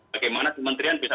bagaimana kementerian bisa